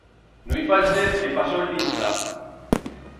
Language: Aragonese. No i faltez, que paso lista.